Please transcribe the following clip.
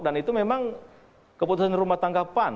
dan itu memang keputusan rumah tanggapan